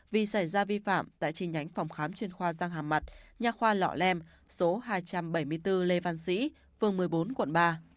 vì xảy ra vi phạm tại chi nhánh phòng khám chuyên khoa giang hà mặt nhà khoa lọ lem số hai trăm bảy mươi bốn lê văn sĩ phường một mươi bốn quận ba